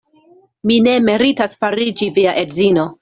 Mi ne meritas fariĝi via edzino.